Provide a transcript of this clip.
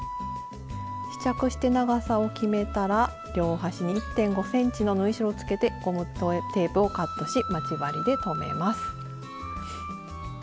試着して長さを決めたら両端に１．５ｃｍの縫い代をつけてゴムテープをカットし待ち針で留めます。